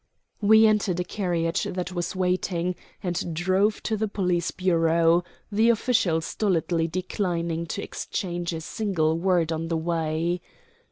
We entered a carriage that was waiting, and drove to the police bureau, the official stolidly declining to exchange a single word on the way.